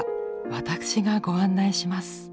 私がご案内します。